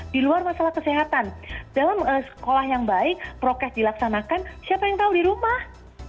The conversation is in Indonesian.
di luar masalah kesehatan dalam sekolah yang baik prokes dilaksanakan siapa yang tahu di rumah